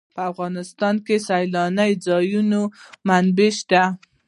په افغانستان کې د سیلاني ځایونو منابع شته دي.